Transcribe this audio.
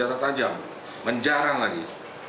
jatah tajam menjarang lagi